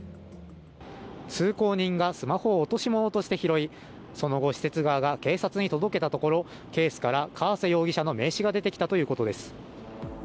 通行人がスマホを落とし物として拾い、その後、施設側が警察に届けたところケースから川瀬容疑者の名刺が出てきたということです。